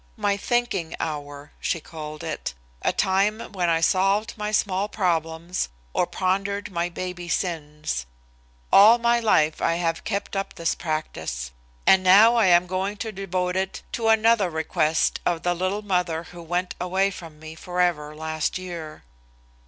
My "thinking hour," she called it, a time when I solved my small problems or pondered my baby sins. All my life I have kept up the practice. And now I am going to devote it to another request of the little mother who went away from me forever last year.